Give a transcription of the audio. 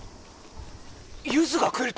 ゆずが来るって！？